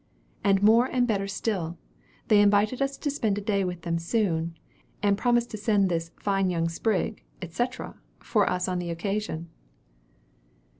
And more and better still, they invited us to spend a day with them soon; and promised to send this 'fine young sprig,' &c., for us on the occasion."